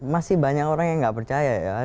masih banyak orang yang nggak percaya ya